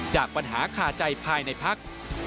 จากปัญหาคาใจภายในพัก